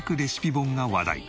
本が話題